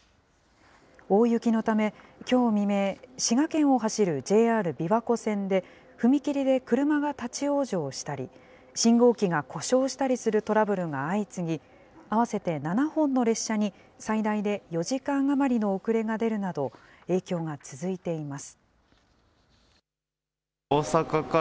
大雪のため、きょう未明、滋賀県を走るＪＲ琵琶湖線で踏切で車が立往生したり、信号機が故障したりするトラブルが相次ぎ、合わせて７本の列車に最大で４時間余りの遅れが出るなど、影響が続いています。